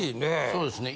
そうですね。